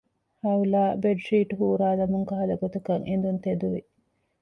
ހައުލާ ބެޑްޝީޓް ހޫރާލަމުން ކަހަލަ ގޮތަކަށް އެނދުން ތެދުވި